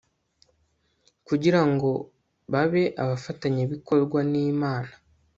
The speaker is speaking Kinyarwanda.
kugira ngo babe abafatanyabikorwa nImana